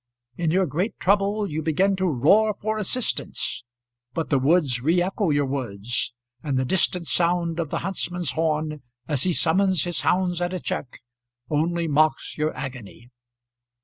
In your great trouble you begin to roar for assistance; but the woods re echo your words, and the distant sound of the huntsman's horn, as he summons his hounds at a check, only mocks your agony.